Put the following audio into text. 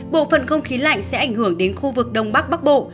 bộ phận không khí lạnh sẽ ảnh hưởng đến khu vực đông bắc bắc bộ